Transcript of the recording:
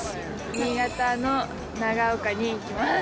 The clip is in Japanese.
新潟の長岡に行きます。